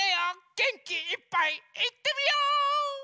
げんきいっぱいいってみよ！